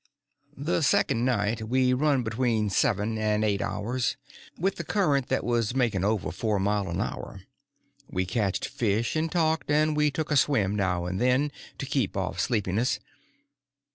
This second night we run between seven and eight hours, with a current that was making over four mile an hour. We catched fish and talked, and we took a swim now and then to keep off sleepiness.